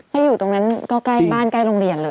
ถ้าอยู่ตรงนั้นก็ใกล้บ้านใกล้โรงเรียนเลย